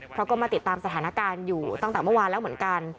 เพราะก็มาติดตามสถานการณ์อยู่ตั้งแต่เมื่อวานแล้วเหมือนกัน